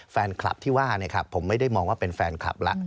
แฟนคลับที่ว่าผมไม่ได้มองว่าเป็นแฟนคลับแล้ว